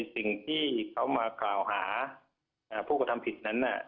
สิ่งที่เขามากล่าวหาผู้กระทำผิดนั้น